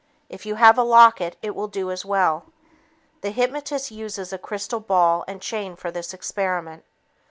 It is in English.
If you have a locket, it will do as well. The hypnotist uses a crystal ball and chain for this experiment.